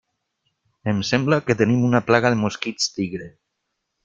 Em sembla que tenim una plaga de mosquits tigre.